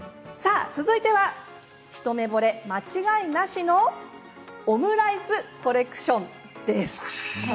続いては一目ぼれ間違いなしのオムライスコレクションです。